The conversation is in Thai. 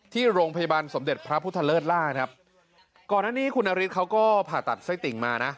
ที่โรงพยาบาลสมเด็จพระพุทธเลิศล่าครับก่อนหน้านี้คุณนฤทธิเขาก็ผ่าตัดไส้ติ่งมานะ